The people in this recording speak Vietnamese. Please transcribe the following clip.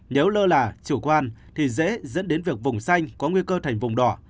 nếu lơ là chủ quan thì dễ dẫn đến việc vùng xanh có nguy cơ thành vùng đỏ